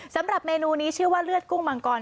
สำหรับเมนูนี้ชื่อว่าเลือดกุ้งมังกร